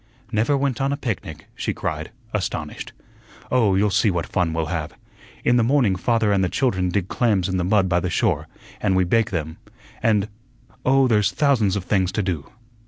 "Never went on a picnic?" she cried, astonished. "Oh, you'll see what fun we'll have. In the morning father and the children dig clams in the mud by the shore, an' we bake them, and oh, there's thousands of things to do."